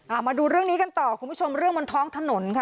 เอามาดูเรื่องนี้กันต่อคุณผู้ชมเรื่องบนท้องถนนค่ะ